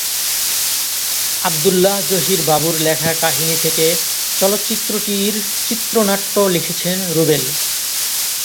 আবদুল্লাহ জহির বাবুর লেখা কাহিনী থেকে চলচ্চিত্রটির চিত্রনাট্য লিখেছেন রুবেল।